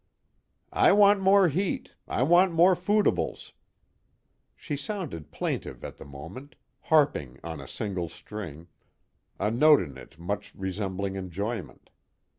"I want more heat, I want more foodibles." She sounded plaintive at the moment, harping on a single string, a note in it much resembling enjoyment.